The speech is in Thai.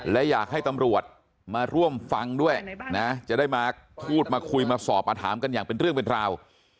และอยากให้ตำรวจมาร่วมฟังด้วยนะจะได้มาพูดมาคุยมาสอบมาถามกันอย่างเป็นเรื่องเป็นราว